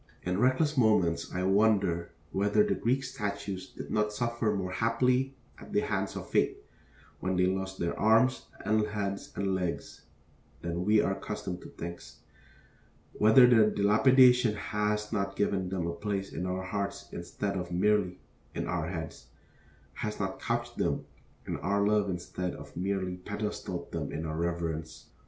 In reckless moments I wonder whether the Greek statues did not suffer more happily at the hands of fate when they lost their arms and heads and legs than we are accustomed to think; whether their dilapidation has not given them a place in our hearts instead of merely in our heads; has not couched them in our love instead of merely pedestaled them in our reverence.